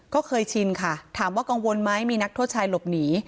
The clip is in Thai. ก็เคยชินค่ะถามว่ากังวลไหมมีนักโทษชายหลบหนี